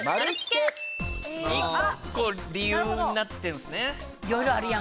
１個理由になってるんですね。